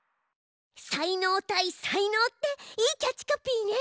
「才能対才能」っていいキャッチコピーね。